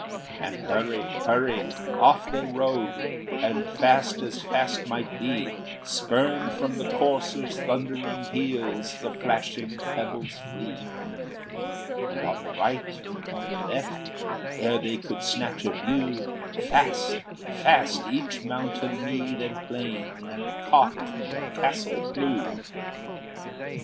And, hurry! hurry! off they rode, And fast as fast might be; Spurned from the courser's thundering heels The flashing pebbles flee. And on the right, and on the left, Ere they could snatch a view, Fast, fast each mountain, mead, and plain, And cot and castle flew.